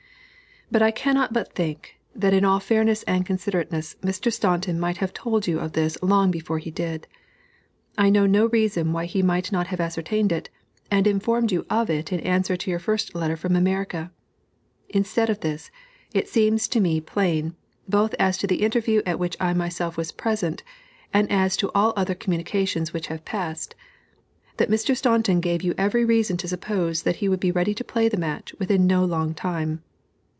But I cannot but think that in all fairness and considerateness, Mr. Staunton might have told you of this long before he did. I know no reason why he might not have ascertained it, and informed you of it in answer to your first letter from America. Instead of this, it seems to me plain, both as to the interview at which I myself was present, and as to all the other communications which have passed, that Mr. Staunton gave you every reason to suppose that he would be ready to play the match within no long time.